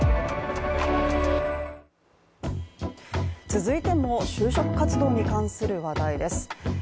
続いても就職活動に関する話題です。